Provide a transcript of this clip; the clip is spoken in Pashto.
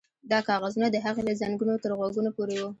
دا کاغذونه د هغې له زنګنو تر غوږونو پورې وو